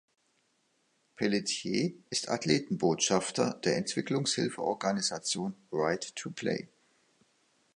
Pelletier ist Athletenbotschafter der Entwicklungshilfeorganisation Right To Play.